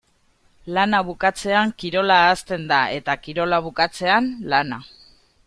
Lana bukatzean kirola hasten da eta kirola bukatzean lana.